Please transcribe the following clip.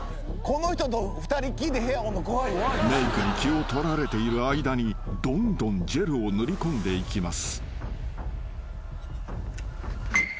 ［メークに気を取られている間にどんどんジェルを塗りこんでいきます］